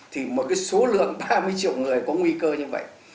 thì một cái số lượng ba mươi triệu người có nguy cơ như vậy